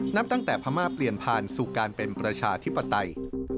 นับตั้งแต่พม่าเปลี่ยนผ่านสู่การเป็นประชาธิปไตย